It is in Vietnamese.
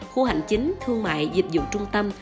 khu hành chính thương mại dịch dụng trung tâm